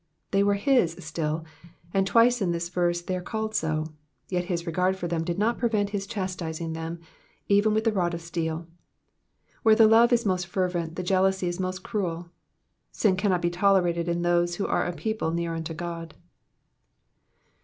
^^ They were his still, and twice in this verse they are called so ; yet his regard for them did not prevent his chastising them, even with a rod of steel. Where the love is most fervent, the jealousy is most cruel. Sin can not be tolerated in those who are a people near unto God.